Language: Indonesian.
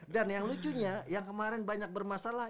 dan yang lucunya yang kemarin banyak bermasalah